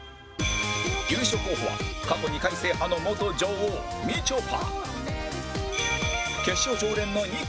優勝候補は過去２回制覇の元女王みちょぱ